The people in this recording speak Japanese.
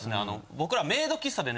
僕ら。